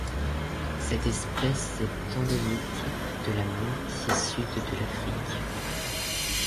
Cette espèce est endémique de la moitié Sud de l'Afrique.